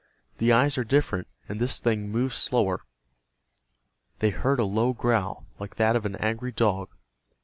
"The eyes are different, and this thing moves slower." They heard a low growl, like that of an angry dog.